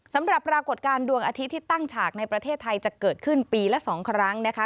ปรากฏการณ์ดวงอาทิตย์ที่ตั้งฉากในประเทศไทยจะเกิดขึ้นปีละ๒ครั้งนะคะ